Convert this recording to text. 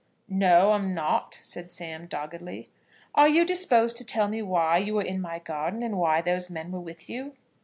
"No, I am not," said Sam, doggedly. "Are you disposed to tell me why you were in my garden, and why those men were with you?"